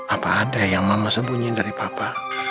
apa ada yang mama sembunyiin dari papa